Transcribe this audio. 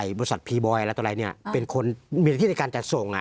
ไอ้บริษัทพีบอยแล้วตัวไรเนี่ยเป็นคนมีที่ในการจัดส่งอ่า